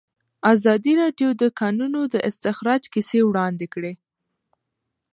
ازادي راډیو د د کانونو استخراج کیسې وړاندې کړي.